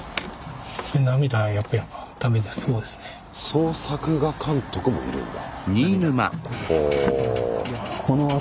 総作画監督もいるんだ。